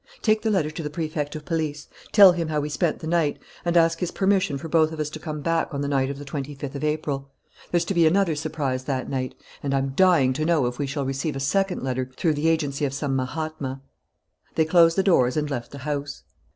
Take the letter to the Prefect of Police, tell him how we spent the night, and ask his permission for both of us to come back on the night of the twenty fifth of April. There's to be another surprise that night; and I'm dying to know if we shall receive a second letter through the agency of some Mahatma." They closed the doors and left the house.